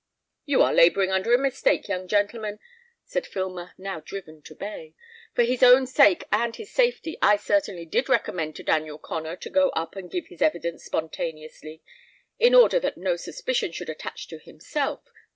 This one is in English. "You are labouring under a mistake, young gentleman," said Filmer, now driven to bay. "For his own sake and his safety I certainly did recommend to Daniel Connor to go up and give his evidence spontaneously, in order that no suspicion should attach to himself.